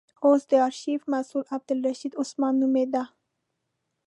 اوس د آرشیف مسئول عبدالرشید عثمان نومېد.